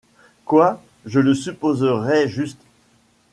Quoi ! je le supposerais juste